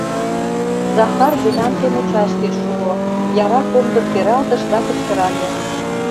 Захар делянке мучашке шуо, яра комдым пералтыш да кычкырале: